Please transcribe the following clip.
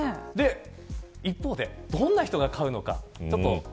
一方でどんな人が買うのか。